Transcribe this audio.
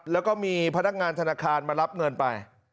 แล้วก็มีพนักงานธนาคารมารับเงินไป